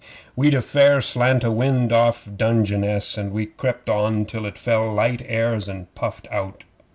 'We'd a fair slant o' wind off Dungeness, and we crept on till it fell light airs and puffed out.